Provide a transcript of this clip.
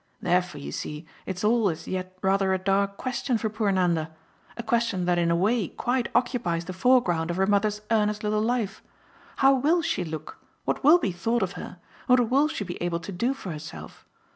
Therefore you see it's all as yet rather a dark question for poor Nanda a question that in a way quite occupies the foreground of her mother's earnest little life. How WILL she look, what will be thought of her and what will she be able to do for herself?